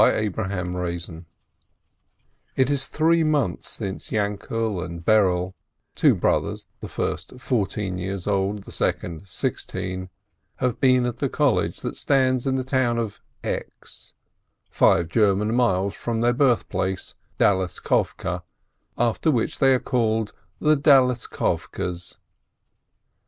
THE TWO BROTHERS It is three months since Yainkele and Berele — two brothers, the first fourteen years old, the second sixteen — have been at the college that stands in the town of X —, five German miles from their birthplace Dalissovke, after which they are called the "Dalissovkers."